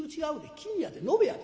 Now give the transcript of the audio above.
金やで延べやで。